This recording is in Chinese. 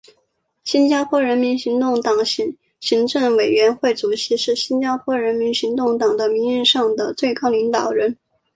新加坡人民行动党行政委员会主席是新加坡人民行动党的名义上的最高领导人。